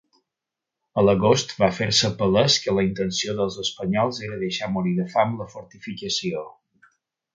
A l'agost, va fer-se palès que la intenció dels espanyols era deixar morir de fam la fortificació.